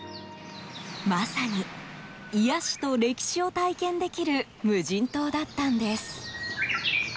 まさに癒やしと歴史を体験できる無人島だったんです。